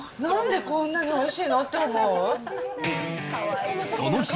なんでこんなにおいしいの？